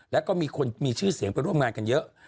แล้วก็มีคนมีชื่อเสียงไปร่วมงานกันเยอะ